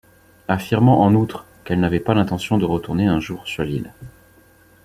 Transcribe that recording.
Affirmant en outre, qu'elle n'avait pas l'intention de retourner un jour sur l'île.